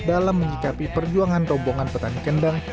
dalam menyikapi perjuangan rombongan petani kendang